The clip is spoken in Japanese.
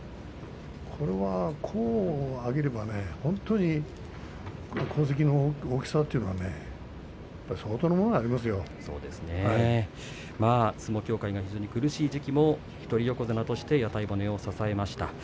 これは功を挙げれば功績の大きさというのは相撲協会が非常に苦しい時期も一人横綱として屋台骨を支えました。